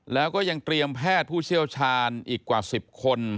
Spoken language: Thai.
แล้วก็ยังเตรียมแพทย์ผู้เชี่ยวชาญอีกกว่า๑๐คน